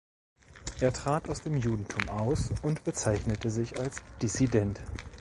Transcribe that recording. Er trat aus dem Judentum aus und bezeichnete sich als „Dissident“.